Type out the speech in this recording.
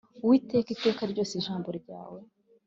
Uwiteka iteka ryose Ijambo ryawe